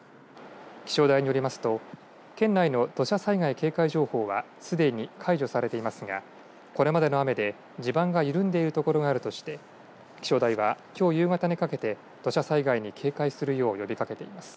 気象台によりますと県内の土砂災害警戒情報はすでに解除されていますがこれまでの雨で地盤が緩んでいる所があるとして気象台は、きょう夕方にかけて土砂災害に警戒するよう呼びかけています。